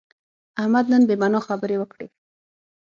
احمد نن بې معنا خبرې وکړې.